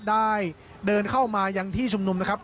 ได้เดินเข้ามายังที่ชุมนุมนะครับ